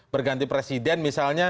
berganti presiden misalnya